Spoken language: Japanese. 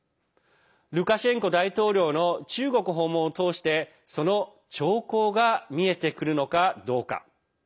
ルカシェンコ大統領の中国訪問を通してその兆候が見えてくるのかどうか。